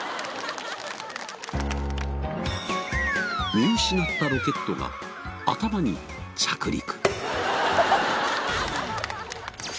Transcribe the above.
見失ったロケットが頭に着陸。